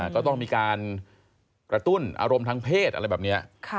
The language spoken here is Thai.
ก็ต้องมีการกระตุ้นอารมณ์ทางเพศอะไรแบบนี้